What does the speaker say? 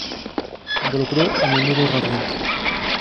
Involucro a menudo radiante.